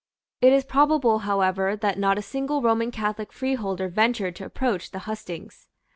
It is probable however that not a single Roman Catholic freeholder ventured to approach the hustings.